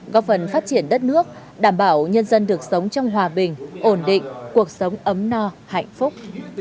góp phần phát triển đất nước đảm bảo nhân dân được sống trong hòa bình ổn định cuộc sống ấm no hạnh phúc